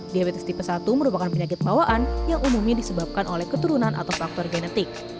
diabetes tipe satu merupakan penyakit bawaan yang umumnya disebabkan oleh keturunan atau faktor genetik